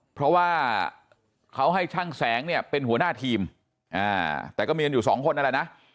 เพราะว่าเขาให้ช่างแสงเนี่ยเป็นหัวหน้าทีมแต่ก็มีกันอยู่สองคนนั่นแหละนะ